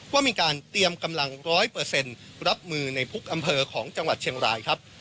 ก็มีการเตรียมกำลังร้อยเปอร์เซ็นต์รับมือในพุกอำเภอของจังหวัดเชียงรายครับ